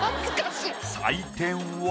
採点は。